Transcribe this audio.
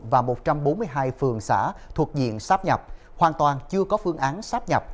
và một trăm bốn mươi hai phường xã thuộc diện sắp nhập hoàn toàn chưa có phương án sắp nhập